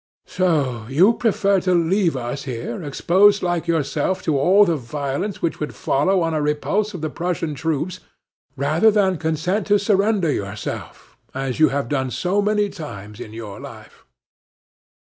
"So you prefer to leave us here, exposed like yourself to all the violence which would follow on a repulse of the Prussian troops, rather than consent to surrender yourself, as you have done so many times in your life?"